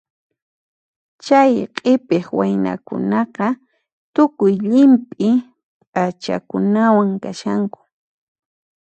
Chay q'ipiq waynakunaqa tukuy llimp'i p'achakunawan kashanku.